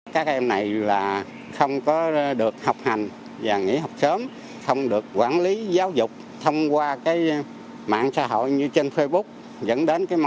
các em này là không có được học hành và nghỉ học sớm